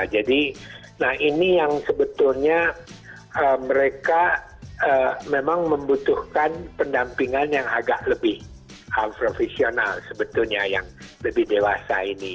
jadi nah ini yang sebetulnya mereka memang membutuhkan pendampingan yang agak lebih profesional sebetulnya yang lebih dewasa ini